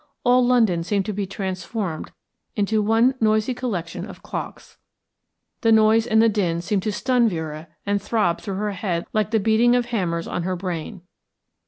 All London seemed to be transformed into one noisy collection of clocks. The noise and the din seemed to stun Vera and throb through her head like the beating of hammers on her brain.